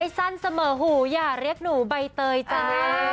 สั้นเสมอหูอย่าเรียกหนูใบเตยจ้า